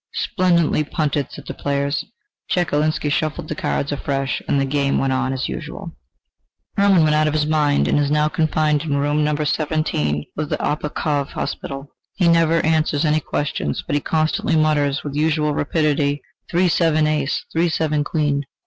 "Splendidly punted!" said the players. Chekalinsky shuffled the cards afresh, and the game went on as usual. Hermann went out of his mind, and is now confined in room Number 17 of the Obukhov Hospital. He never answers any questions, but he constantly mutters with unusual rapidity: "Three, seven, ace!" "Three, seven, queen!"